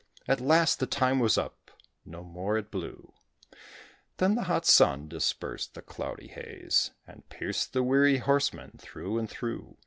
At last, the time was up, no more it blew, Then the hot Sun dispersed the cloudy haze, And pierced the weary horseman through and through.